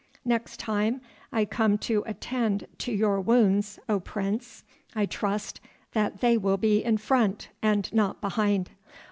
Next time I come to attend to your wounds, O Prince, I trust that they will be in front, and not behind.